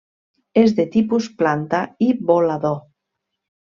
És de tipus planta i volador.